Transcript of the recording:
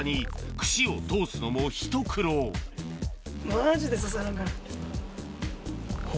串を通すのもひと苦労マジで刺さらんな。